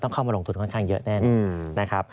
เข้ามาลงทุนค่อนข้างเยอะแน่นะครับ